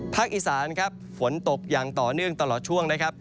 ภาคอิษานฝนตกอย่างต่อเนื่องตลอดช่วง